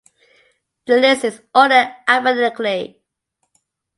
The list is ordered Alphabetically.